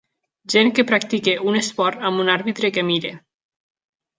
Gent que practica un esport amb un àrbitre que mira.